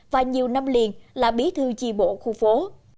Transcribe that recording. và nhiều năm liền là bí thư chi bộ khu phố